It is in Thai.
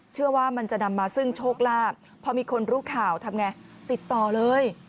เชื่อว่ามันจะนำมาซึ่งโชคลาภพอมีคนรู้ข่าวทำไงติดต่อเลย